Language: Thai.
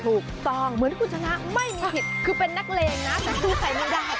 ถูกต้องเหมือนคุณชนะไม่มีผิดคือเป็นนักเลงนะแต่คือใส่ไม่ได้